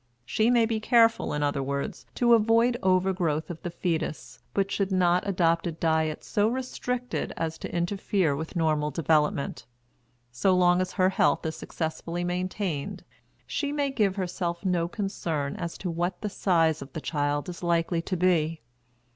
She may be careful, in other words, to avoid over growth of the fetus, but should not adopt a diet so restricted as to interfere with normal development. So long as her health is successfully maintained, she may give herself no concern as to what the size of the child is likely to be.